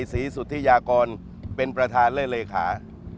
พลเอกสายสีสุธิยากรเป็นประธานและเลขา